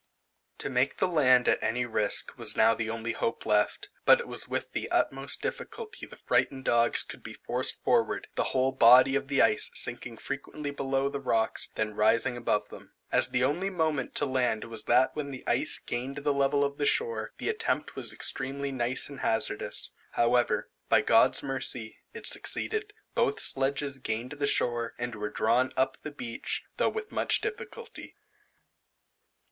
To make the land at any risk, was now the only hope left, but it was with the utmost difficulty the frighted dogs could be forced forward, the whole body of the ice sinking frequently below the rocks, then rising above them. As the only moment to land was that when the ice gained the level of the shore, the attempt was extremely nice and hazardous. However, by God's mercy, it succeeded; both sledges gained the shore, and were drawn up the beach, though with much difficulty.